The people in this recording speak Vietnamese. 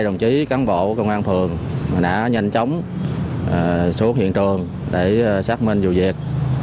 đồng chí cán bộ công an phường đã nhanh chóng xuống hiện trường để xác minh vụ việc